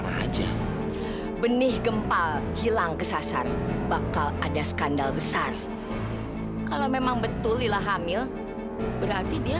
saya ingin dia sebagai anak hatinya sendiri